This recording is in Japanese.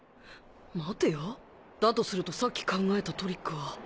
待てよだとするとさっき考えたトリックは